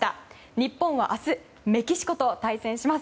日本は明日メキシコと対戦します。